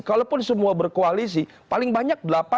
kalaupun semua berkoalisi paling banyak